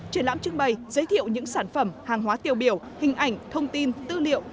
triển lãm trưng bày giới thiệu những sản phẩm hàng hóa tiêu biểu hình ảnh thông tin tư liệu